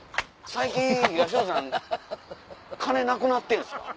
最近東野さん金なくなってんですか？